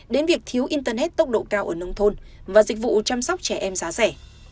đến việc thiếu internet tốc độ cao ở nông thôn và dịch vụ chăm sóc trẻ em giá rẻ